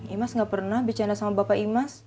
imas gak pernah bercanda sama bapak imas